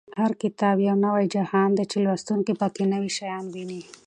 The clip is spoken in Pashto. هر کتاب یو نوی جهان دی چې لوستونکی په کې نوي شیان ویني.